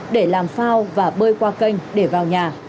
để làm phao và bơi qua kênh để vào nhà